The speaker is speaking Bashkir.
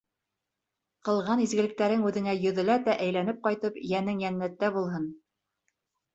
— Ҡылған изгелектәрең үҙеңә йөҙләтә әйләнеп ҡайтып, йәнең йәннәттә булһын.